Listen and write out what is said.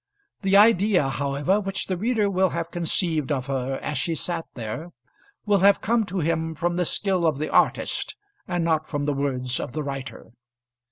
The idea, however, which the reader will have conceived of her as she sat there will have come to him from the skill of the artist, and not from the words of the writer.